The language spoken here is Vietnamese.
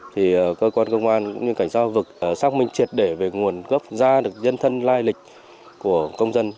thì cơ quan công an cũng như cảnh sát giao vực xác minh triệt để về nguồn gốc ra được nhân thân lai lịch của công dân